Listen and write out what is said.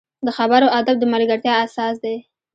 د خبرو ادب د ملګرتیا اساس دی